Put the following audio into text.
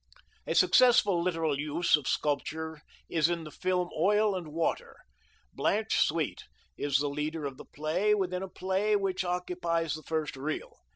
A successful literal use of sculpture is in the film Oil and Water. Blanche Sweet is the leader of the play within a play which occupies the first reel.